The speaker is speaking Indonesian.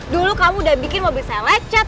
dulu kamu udah bikin mobil saya lecet